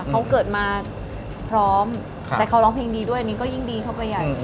เขาเกิดมาพร้อมแต่เขาร้องเพลงดีด้วยอันนี้ก็ยิ่งดีเข้าไปใหญ่